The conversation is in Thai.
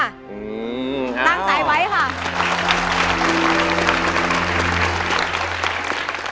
ตั้งใจไว้ค่ะ